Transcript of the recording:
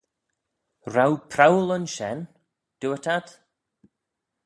R'ou prowal ayns shen? dooyrt ad.